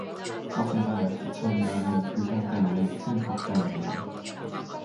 허지만 기천이라는 그 형 때문에 큰 걱정이에요.